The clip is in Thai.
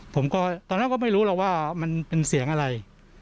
ผมก็ตอนนั้นก็ไม่รู้หรอกว่ามันเป็นเสียงอะไร